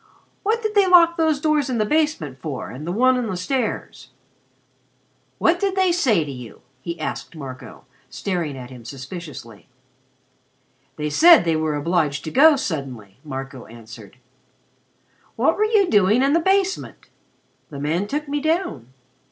What did they lock these doors in the basement for, and the one on the stairs? What did they say to you?" he asked Marco, staring at him suspiciously. "They said they were obliged to go suddenly," Marco answered. "What were you doing in the basement?" "The man took me down."